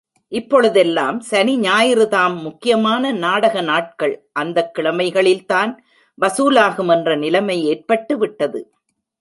இப்பொழுதெல்லாம் சனி, ஞாயிறுதாம் முக்கியமான நாடக நாட்கள் அந்தக் கிழமைகளில்தான் வசூலாகும் என்ற நிலைமை ஏற்பட்டு விட்டது.